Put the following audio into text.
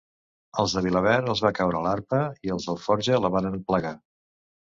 Als de Vilaverd, els va caure l'arpa, i els d'Alforja la varen plegar.